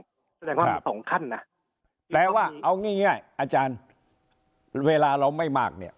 แสดงว่ามันสองขั้นนะแปลว่าเอาง่ายอาจารย์เวลาเราไม่มากเนี่ย